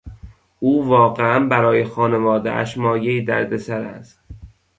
او واقعا برای خانوادهاش مایهی دردسر است.